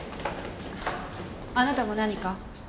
あなたも何か？